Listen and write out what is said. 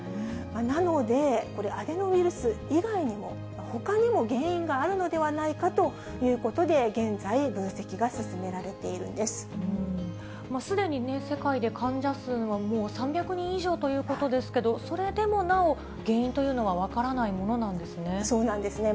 なので、これ、アデノウイルス以外にも、ほかにも原因があるのではないかということで、現在、すでにね、世界で患者数はもう３００人以上ということですけれども、それでもなお、原因というのは分からないものなんですね。